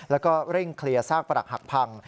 แล้วก็เร่งเคลียร์ซากปรักหักพัง